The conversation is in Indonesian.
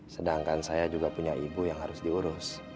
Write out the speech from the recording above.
sedangkan saya juga punya ibu yang harus diurus